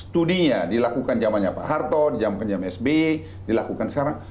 studinya dilakukan jamannya pak harto jam jam sbi dilakukan sekarang